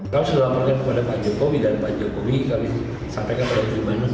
kami sudah mengamalkan kepada pak jokowi dan pak jokowi kami sampaikan pada kejadian ini